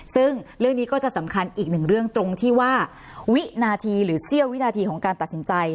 ซึ่งเรื่องนี้ก็จะสำคัญอีกหนึ่งเรื่องตรงที่ว่าวินาทีหรือเสี้ยววินาทีของการตัดสินใจ